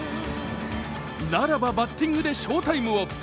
ならばバッティングで翔タイムを。